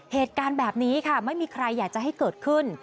เหตุการณ์แบบนี้ค่ะไม่มีใครอยากจะให้เกิดขึ้น